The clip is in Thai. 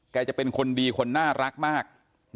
จะเป็นคนดีคนน่ารักมาก